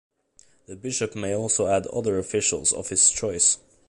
The bishop may also add other officials of his choice.